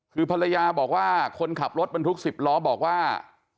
คือภรรยาบอกว่าคนขับรถบรรทุก๑๐ล้อบอกว่า